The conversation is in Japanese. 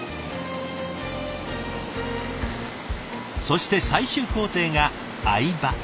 そして最終工程が合刃。